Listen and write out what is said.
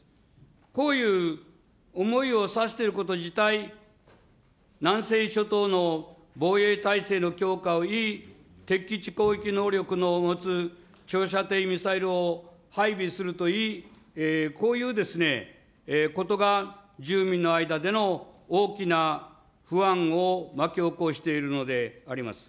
こういう思いをさしていること自体、南西諸島の防衛態勢の強化を、敵基地攻撃能力の持つ長射程ミサイルを配備するといい、こういうことが住民の間での大きな不安を巻き起こしているのであります。